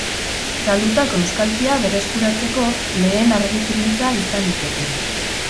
Galdutako euskalkia berreskuratzeko lehen argi-printza izan liteke.